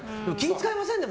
使いません？